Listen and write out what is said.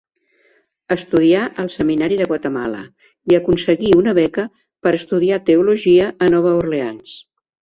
Estudià al seminari de Guatemala i aconseguí una beca per estudiar teologia a Nova Orleans.